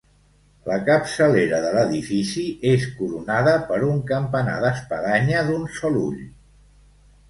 La capçalera de l'edifici és coronada per un campanar d'espadanya d'un sol ull.